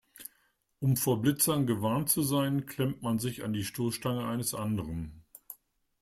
Um vor Blitzern gewarnt zu sein, klemmt man sich an die Stoßstange eines anderen.